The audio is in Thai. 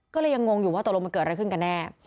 ก็เลยยังงงอยู่ว่าตกลงมันเกิดอะไรขึ้นกันแน่